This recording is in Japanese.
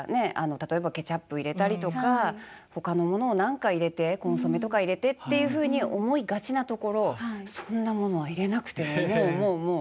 例えばケチャップ入れたりとかほかのものを何か入れてコンソメとか入れてっていうふうに思いがちなところそんなものは入れなくてももうもうもう。